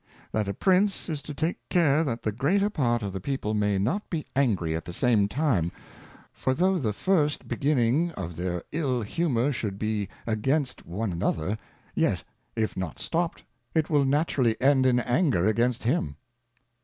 That a Prince is to take care that the greater part of the People may not be angry at the same time ; for though the first 1 82 Maocims of State. first beginning of their III Humour should be against one another, yet if not stopt, it will naturally end in Anger against him.